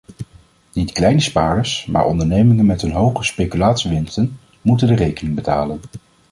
Niet kleine spaarders, maar ondernemingen met hun hoge speculatiewinsten moeten de rekening betalen!